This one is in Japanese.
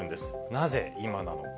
なぜ今なのか。